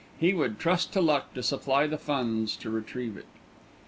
He would trust to luck to supply the funds to retrieve it.